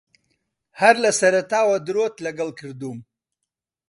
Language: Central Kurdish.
ھەر لە سەرەتاوە درۆت لەگەڵ کردووم.